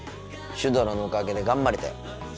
シュドラのおかげで頑張れたよ。